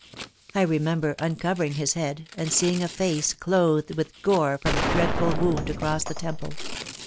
I remember uncovering his head and seeing a face clothed with gore from a dreadful wound across the temple.